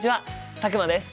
佐久間です。